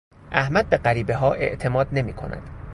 احمد به غریبهها اعتماد نمیکند.